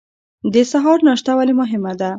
د سهار ناشته ولې مهمه ده؟